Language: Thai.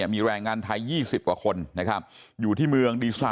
พวกมันกลับมาเมื่อเวลาที่สุดพวกมันกลับมาเมื่อเวลาที่สุด